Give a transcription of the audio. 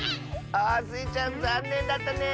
あスイちゃんざんねんだったね。